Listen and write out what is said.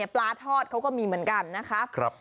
ปลาทอดเขาก็มีเหมือนกันนะคะ